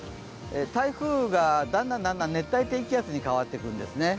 台風がだんだん熱帯低気圧に変わっていくんですね。